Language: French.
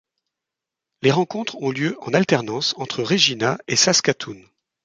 Les rencontres ont lieu en alternance entre Regina et Saskatoon.